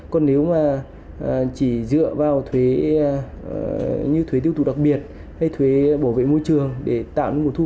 còn nếu mà chỉ dựa vào thuế như thuế tiêu thụ đặc biệt hay thuế bảo vệ môi trường để tạo nguồn thu